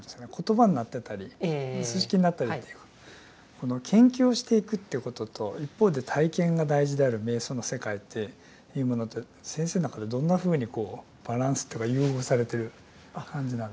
この研究をしていくっていうことと一方で体験が大事である瞑想の世界っていうものって先生の中でどんなふうにこうバランスというか融合されてる感じなんでしょう。